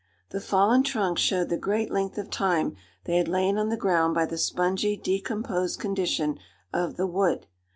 The fallen trunks showed the great length of time they had lain on the ground by the spongy, decomposed condition of the wood.